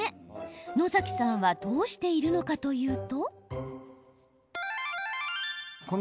野崎さんはどうしているのかというと。